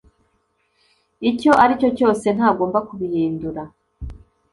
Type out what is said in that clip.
icyo aricyo cyose ntagomba kubihindura